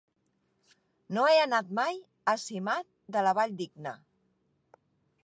No he anat mai a Simat de la Valldigna.